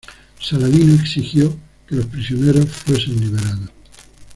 Saladino exigió que los prisioneros fuesen liberados.